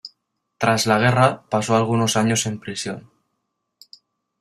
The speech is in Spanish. Tras la guerra, pasó algunos años en prisión.